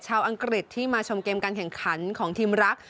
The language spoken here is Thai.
อังกฤษที่มาชมเกมการแข่งขันของทีมรัก